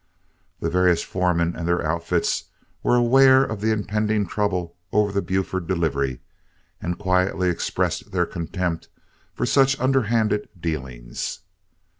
The various foremen and their outfits were aware of the impending trouble over the Buford delivery, and quietly expressed their contempt for such underhand dealings.